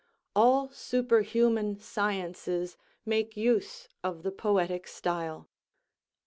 All superhuman sciences make use of the poetic style.